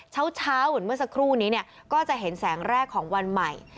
เช้าเหมือนเมื่อสักครู่นี้เนี่ยก็จะเห็นแสงแรกของวันใหม่